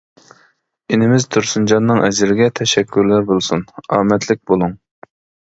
ئىنىمىز تۇرسۇنجاننىڭ ئەجرىگە تەشەككۈرلەر بولسۇن، ئامەتلىك بولۇڭ.